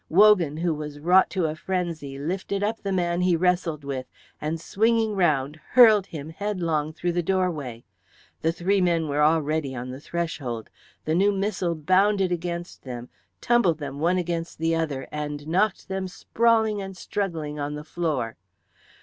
Wogan, who was wrought to a frenzy, lifted up the man he wrestled with, and swinging round hurled him headlong through the doorway. The three men were already on the threshold. The new missile bounded against them, tumbled them one against the other, and knocked them sprawling and struggling on the floor.